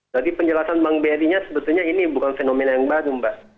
jadi penjelasan bank bri nya sebetulnya ini bukan fenomena yang baru mbak